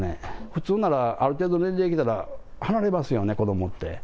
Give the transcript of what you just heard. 普通なら、ある程度の年齢来たら離れますよね、子どもって。